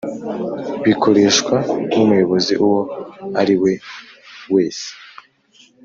Bikoreshwa n umuyobozi uwo ari we wese